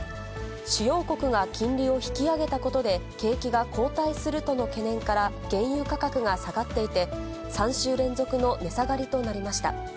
主要国が金利を引き上げたことで景気が後退するとの懸念から、原油価格が下がっていて、３週連続の値下がりとなりました。